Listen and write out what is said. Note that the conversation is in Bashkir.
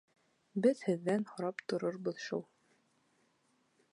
Беҙ һеҙҙән һорап торорбоҙ шул.